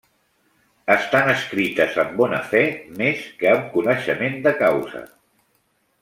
Estan escrites amb bona fe més que amb coneixement de causa.